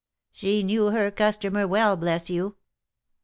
She knew her customer well, bless you!